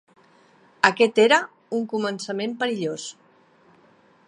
Aquest era un començament perillós.